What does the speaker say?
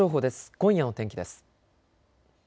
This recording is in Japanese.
今夜の天気です。